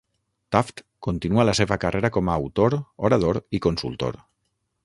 Taft continua la seva carrera com a autor, orador i consultor.